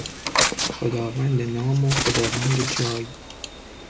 خداوند نام و خداوند جای